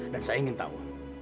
dan saya ingin tahu